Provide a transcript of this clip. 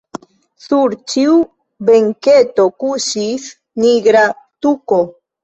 Sur ĉiu benketo kuŝis nigra tuko.